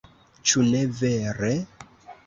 Ĉu ne vere?